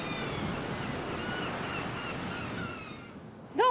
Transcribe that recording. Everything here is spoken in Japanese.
どう？